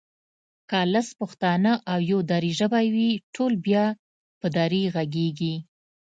که لس پښتانه او يو دري ژبی وي ټول بیا په دري غږېږي